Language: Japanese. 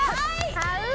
買う